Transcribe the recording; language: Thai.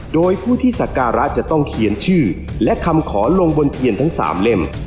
โดยผู้ที่สการะจะต้องเขียนชื่อและคำขอลงบนเทียนทั้ง๓เล่ม